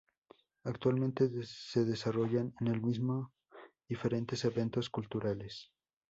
Actualmente se desarrollan en el mismo diferentes eventos culturales.